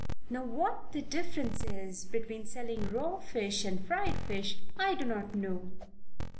Now what the difference is between selling raw fish and fried fish, I do not know.